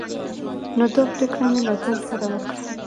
نو دا پريکړه مې له ځان سره وکړه